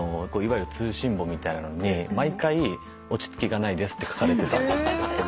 通信簿みたいなので毎回「落ち着きがないです」って書かれてたんですけど。